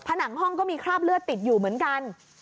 ผนังห้องก็มีคราบเลือดติดอยู่เหมือนกัน